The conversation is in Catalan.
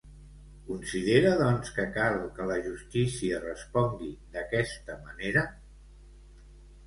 Considera, doncs, que cal que la justícia respongui d'aquesta manera?